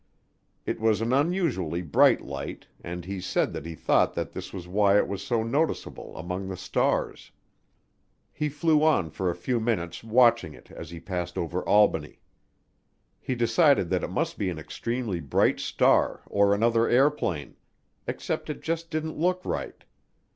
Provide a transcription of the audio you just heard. It was an unusually bright light, and he said that he thought this was why it was so noticeable among the stars. He flew on for a few minutes watching it as he passed over Albany. He decided that it must be an extremely bright star or another airplane except it just didn't look right.